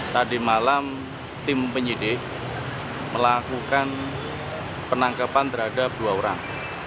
tadi malam tim penyidik melakukan penangkapan terhadap dua orang